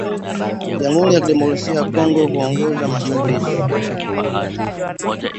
jamhuri ya kidemokrasia ya Kongo Huongoza mashambulizi